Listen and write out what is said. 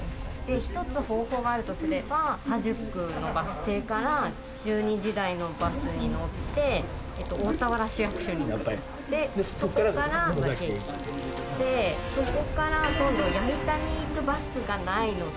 １つ方法があるとすれば田宿のバス停から１２時台のバスに乗って大田原市役所に行ってそこから野崎駅まで行ってそこから今度矢板に行くバスがないので。